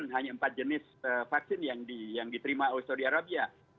hanya empat jenis vaksin yang diterima oleh saudi arabia